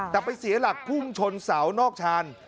แต่ไปเสียหลักพุ่งชนเสานอกชาน